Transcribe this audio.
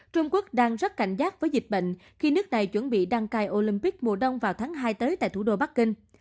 trung quốc đang rất cảnh giác với dịch bệnh khi nước này chuẩn bị đăng cai olympic mùa đông vào tháng hai tới tại thủ đô bắc kinh